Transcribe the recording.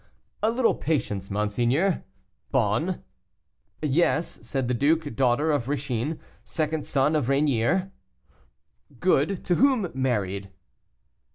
"A little patience, monseigneur. Bonne " "Yes," said the duke, "daughter of Ricin, second son of Ranier." "Good; to whom married?"